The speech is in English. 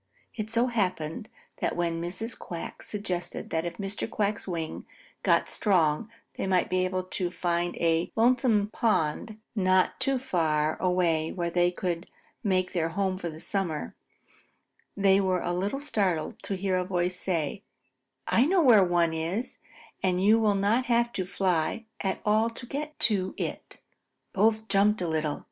So it happened that when Mrs. Quack suggested that if Mr. Quack's wing got strong they might be able to find a lonesome pond not too far away where they could make their home for the summer, they were a little startled to hear a voice say: "I know where there is one, and you will not have to fly at all to get to it." Both jumped a little.